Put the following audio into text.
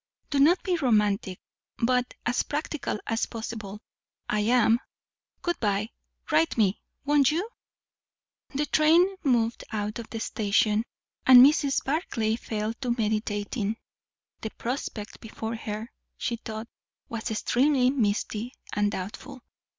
"Do not be romantic, but as practical as possible. I am. Good bye! Write me, won't you?" The train moved out of the station, and Mrs. Barclay fell to meditating. The prospect before her, she thought, was extremely misty and doubtful.